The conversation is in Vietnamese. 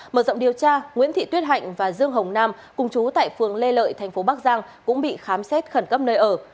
mở rộng điều tra nguyễn thị tuyết hạnh và dương hồng nam cùng chú tại phường lê lợi thành phố bắc giang cũng bị khám xét khẩn cấp nơi ở